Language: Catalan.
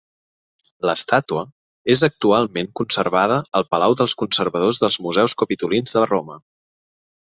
L'estàtua és actualment conservada al Palau dels Conservadors dels Museus Capitolins de Roma.